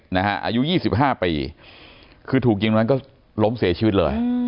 อายุ๒๕ปีคือถูกยิงตรงนั้นก็ล้มเสียชีวิตเลย